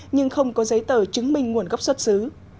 nhưng không có giấy tờ chứng minh nguồn gốc xuất xứ